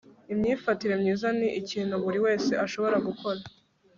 imyifatire myiza ni ikintu buri wese ashobora gukora